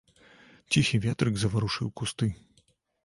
Ціхі ветрык заварушыў кусты.